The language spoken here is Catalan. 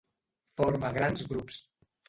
Forma grans grups.